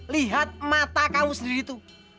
lihat mata kamu sendiri tuh